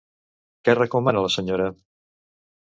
Què recomana la senyora?